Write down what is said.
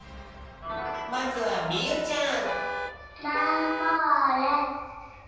まずはみゆちゃん。